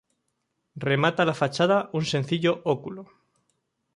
Remata la fachada un sencillo óculo.